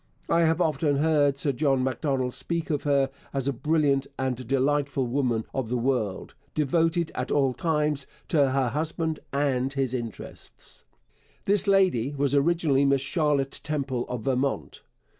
I have often heard Sir John Macdonald speak of her as a brilliant and delightful woman of the world, devoted at all times to her husband and his interests. This lady was originally Miss Charlotte Temple of Vermont.